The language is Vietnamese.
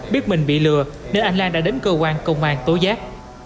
biết mình bị lừa nên anh lan đã đến cơ quan công an tố giác